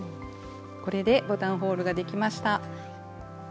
これでボタンホールができました。